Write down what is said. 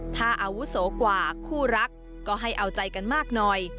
ถ้าอาวุโสกว่าคู่รักก็ให้เอาใจกันมากหน่อย